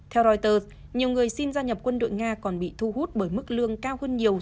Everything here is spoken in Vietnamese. theo reuters nhiều người xin gia nhập quân đội nga còn bị thu hút bởi mức lương cao hơn nhiều